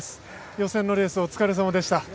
予選のレース、お疲れさまでした。